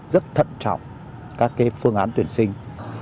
rất thận trọng các phương án tuyển sinh